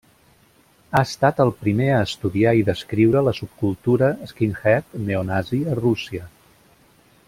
Ha estat el primer a estudiar i descriure la subcultura skinhead neonazi a Rússia.